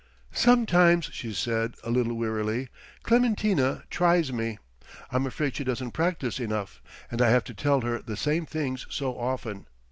"Sometimes," she said, a little wearily, "Clementina tries me. I'm afraid she doesn't practise enough, and I have to tell her the same things so often.